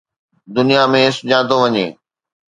دنيا ۾ سڃاتو وڃي